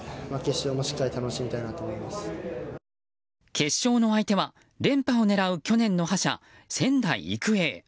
決勝の相手は連覇を狙う去年の覇者・仙台育英。